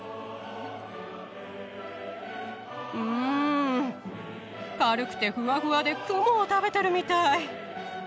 うん軽くてふわふわで雲を食べてるみたい。